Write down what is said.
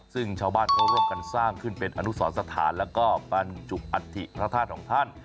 ซึ่งชาวบ้านเขาร่วมกันสร้างขึ้นเป็นอนุสรสถานแล้วก็บรรจุอัฐิพระธาตุของท่าน